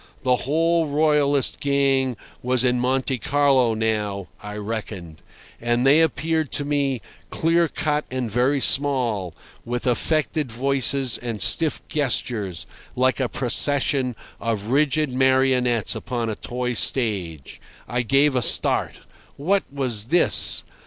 The whole Royalist gang was in Monte Carlo now, I reckoned. And they appeared to me clear cut and very small, with affected voices and stiff gestures, like a procession of rigid marionettes upon a toy stage. I gave a start. What was this?